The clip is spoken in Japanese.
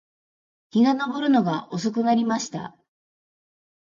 日が登るのが遅くなりました